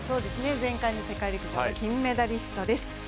前回の世界陸上の金メダリストです。